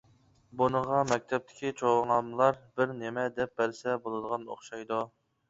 بۇنىڭغا مەكتەپتىكى چوڭاملار بىر نېمە دەپ بەرسە بولىدىغان ئوخشايدۇ.